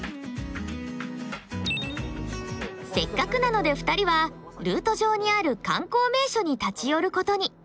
せっかくなので２人はルート上にある観光名所に立ち寄ることに。